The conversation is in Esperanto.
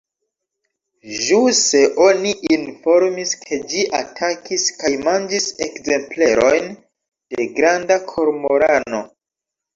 Ĵuse oni informis, ke ĝi atakis kaj manĝis ekzemplerojn de granda kormorano.